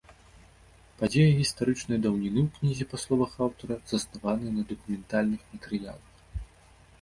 Падзеі гістарычнай даўніны ў кнізе, па словах аўтара, заснаваныя на дакументальных матэрыялах.